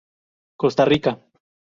Costa Rica